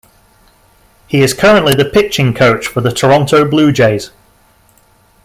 He is currently the pitching coach for the Toronto Blue Jays.